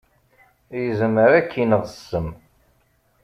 Yezmer ad k-ineɣ ssem.